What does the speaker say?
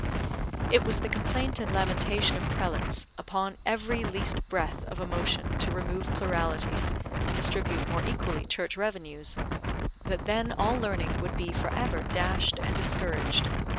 It was the complaint and lamentation of prelates, upon every least breath of a motion to remove pluralities, and distribute more equally Church revenues, that then all learning would be for ever dashed and discouraged.